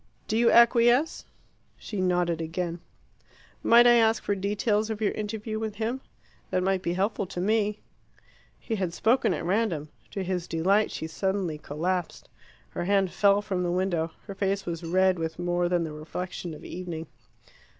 Do you acquiesce?" She nodded again. "Might I ask for details of your interview with him? They might be helpful to me." He had spoken at random. To his delight she suddenly collapsed. Her hand fell from the window. Her face was red with more than the reflection of evening.